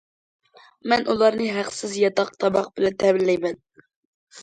مەن ئۇلارنى ھەقسىز ياتاق، تاماق بىلەن تەمىنلەيمەن.